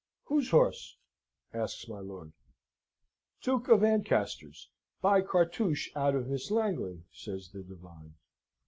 "Whose horse?" asks my lord. "Duke of Ancaster's. By Cartouche out of Miss Langley," says the divine.